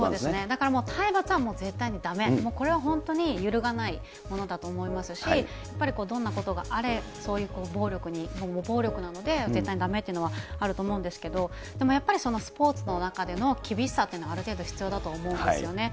だから体罰はもう絶対にだめ、これは本当に揺るがないものだと思いますし、やっぱりどんなことがあれ、そういう暴力なので、絶対にだめというのはあると思うんですけれども、でもやっぱりスポーツの中での厳しさというのはある程度必要だと思うんですね。